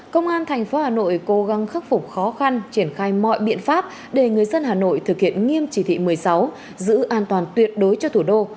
công an thành phố hà nội cố gắng khắc phục khó khăn triển khai mọi biện pháp để người dân hà nội thực hiện nghiêm chỉ thị một mươi sáu giữ an toàn tuyệt đối cho thủ đô